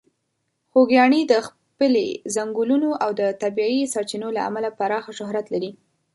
خوږیاڼي د خپلې ځنګلونو او د طبیعي سرچینو له امله پراخه شهرت لري.